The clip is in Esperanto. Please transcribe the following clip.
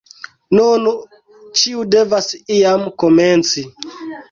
Nun, ĉiu devas iam komenci